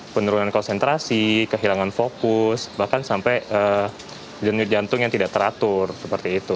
penurunan konsentrasi kehilangan fokus bahkan sampai jenis jantung yang tidak teratur seperti itu